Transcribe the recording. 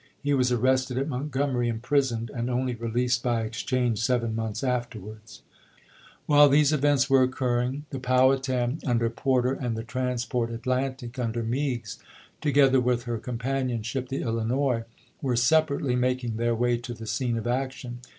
He was arrested at Montgom ery, imprisoned, and only released by exchange seven months afterwards. 14 ABEAHAM LINCOLN Chap. I. While these events were occurring tlie Powhatan, under Porter, and the transport Atlantic, under Meigs, together with her companion ship the Illi nois, were separately making their way to the scene of action.